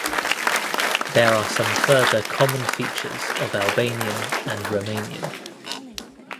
There are some further common features of Albanian and Romanian.